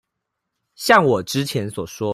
像我之前所說